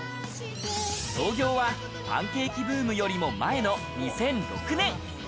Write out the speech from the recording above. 創業はパンケーキブームよりも前の２００６年。